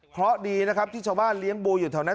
เพราะดีนะครับที่ชาวบ้านเลี้ยงบูอยู่แถวนั้น